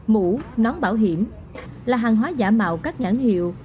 mũ nón bảo hiểm là hàng hóa giả mạo các nhãn hiệu